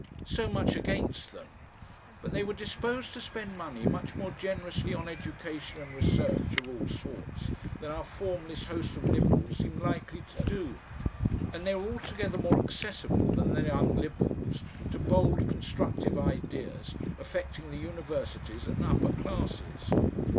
So much against them. But they were disposed to spend money much more generously on education and research of all sorts than our formless host of Liberals seemed likely to do; and they were altogether more accessible than the Young Liberals to bold, constructive ideas affecting the universities and upper classes.